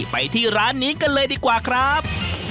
ไปที่ร้านนี้กันเลยดีกว่าครับ